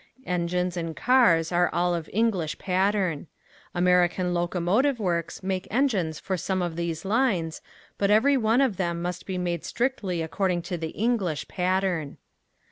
Engines and cars are all of English pattern. American locomotive works make engines for some of these lines, but everyone of them must be made strictly according to the English pattern.